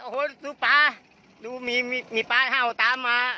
หัดเพาะหักเบา